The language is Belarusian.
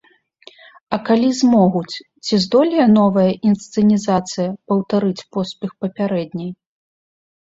А калі змогуць, ці здолее новая інсцэнізацыя паўтарыць поспех папярэдняй?